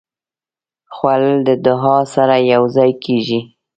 خوړل د دعا سره یوځای کېږي